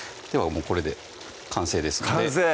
もうこれで完成ですので完成！